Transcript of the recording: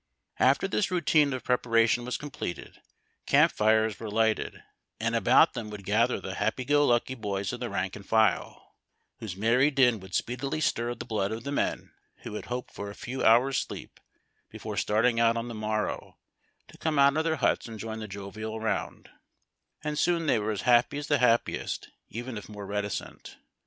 After this routine of preparation was completed, camp fires were lighted, and about them would gather the happy go lucky boys of the rank and file, whose merry din would speedily stir the blood of the men who had hoped for a few hours' sleep before starting out on the morrow, to come out of their huts and join the jovial round ; and soon they were as happy as the happiest, even if more reticent.